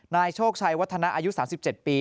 นายโชคชัยวัฒนะอายุ๓๗ปี